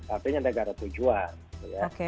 artinya negara tujuan